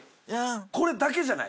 これだけじゃない⁉